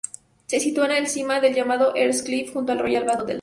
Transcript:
Se sitúa en la cima del llamado East Cliff, junto al Royal Bath Hotel.